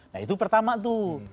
nah itu pertama tuh